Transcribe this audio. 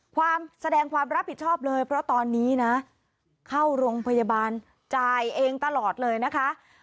ความแสดงความรับผิดชอบเลยเพราะตอนนี้นะเข้าโรงพยาบาลจ่ายเองตลอดเลยนะคะ